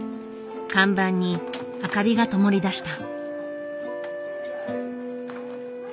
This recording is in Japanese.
看板に明かりがともりだした。